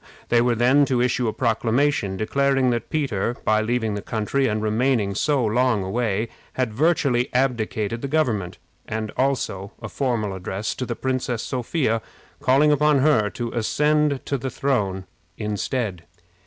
They were then to issue a proclamation declaring that Peter, by leaving the country and remaining so long away, had virtually abdicated the government; and also a formal address to the Princess Sophia, calling upon her to ascend the throne in his stead.